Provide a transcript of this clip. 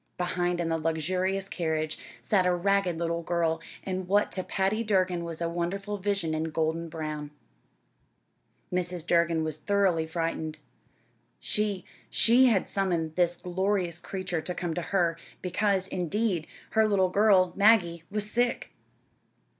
Behind, in the luxurious carriage, sat a ragged little girl, and what to Patty Durgin was a wonderful vision in golden brown. Mrs. Durgin was thoroughly frightened. She, she had summoned this glorious creature to come to her, because, indeed, her little girl, Maggie, was sick!